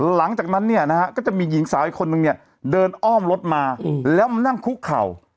หลังจากนั้นเนี่ยนะฮะก็จะมีหญิงสาวอีกคนนึงเนี่ยเดินอ้อมรถมาแล้วมานั่งคุกเข่า